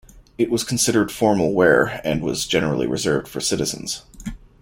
It was considered formal wear, and was generally reserved for citizens.